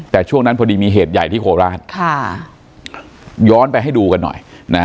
แต่ช่วงนั้นพอดีมีเหตุใหญ่ที่โคราชย้อนไปให้ดูกันหน่อยนะฮะ